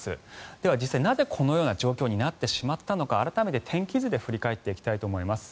では、実際なぜこのような状況になってしまったのか改めて天気図で振り返っていきたいと思います。